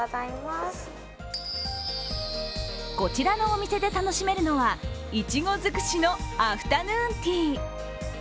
こちらのお店で楽しめるのはいちご尽くしのアフタヌーンティー。